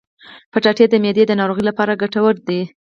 کچالو د معدې د ناروغیو لپاره ګټور دی.